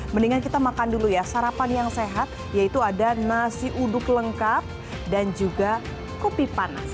mendingan kita makan dulu ya sarapan yang sehat yaitu ada nasi uduk lengkap dan juga kopi panas